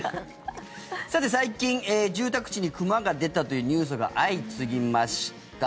最近、住宅地に熊が出たというニュースが相次ぎました。